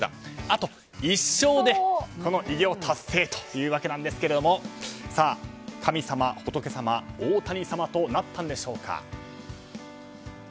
あと１勝で、この偉業達成というわけなんですが神様、仏様、大谷様となったんでしょうか？